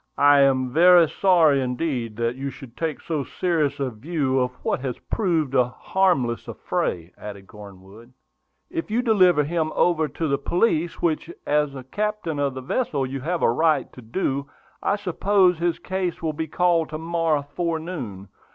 "I am very sorry indeed that you should take so serious a view of what has proved a harmless affray," added Cornwood. "If you deliver him over to the police, which, as the captain of the vessel, you have a right to do, I suppose his case will be called to morrow forenoon.